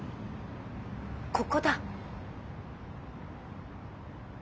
ここだ。